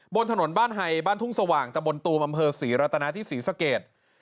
บนถนนบ้านไฮบ้านทุ่งสว่างตะบนตูมอำเภอศรีรัตนาที่ศรีสะเกด